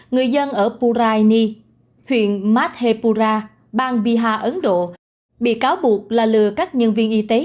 người dân ở purani huyện madhepura bang vihar ấn độ bị cáo buộc là lừa các nhân viên y tế